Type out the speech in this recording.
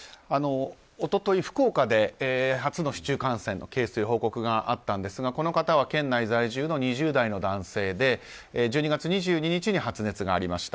一昨日、福岡で初の市中感染のケースの報告があったんですが、この方は県内在住の２０代の男性で１２月２２日に発熱がありました。